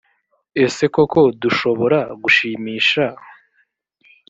ese koko dushobora gushimisha